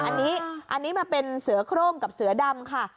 อันนี้อันนี้มาเป็นเสือโครงกับเสือดำค่ะ